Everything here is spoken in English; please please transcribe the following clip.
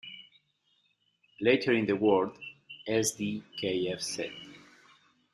Later in the war Sd.Kfz.